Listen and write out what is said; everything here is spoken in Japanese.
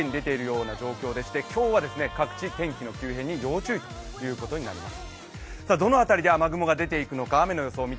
現在、雷注意報が４０都道府県に出ている状況でして今日は各地、天気の急変に要注意ということになります。